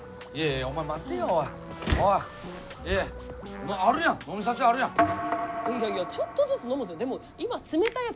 いやいやちょっとずつ飲むんですよ。